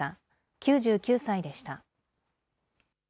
９９歳でした。